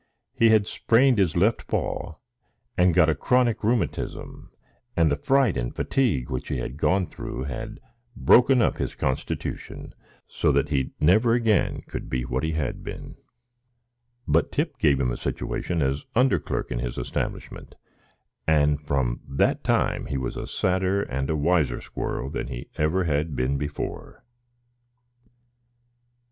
He had sprained his left paw, and got a chronic rheumatism, and the fright and fatigue which he had gone through had broken up his constitution, so that he never again could be what he had been; but, Tip gave him a situation as under clerk in his establishment, and from that time he was a sadder and a wiser squirrel than he ever had been before.